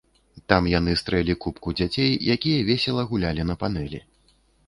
Там яны стрэлі купку дзяцей, якія весела гулялі на панелі.